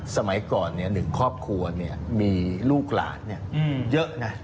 สมัยก่อนเนี่ยหนึ่งครอบครัวเนี่ยมีลูกหลานเนี่ยเยอะนะ